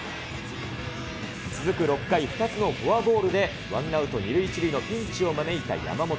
続く６回、２つのフォアボールでワンアウト２塁１塁のピンチを招いた山本。